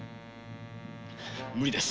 無理です